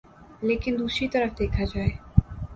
لیکن دوسری طرف دیکھا جائے